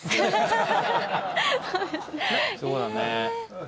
そうだね。